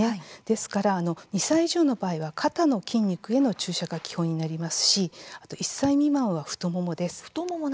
ですから２歳以上の場合は、肩の筋肉への注射が基本になりますしあと１歳未満は太ももです。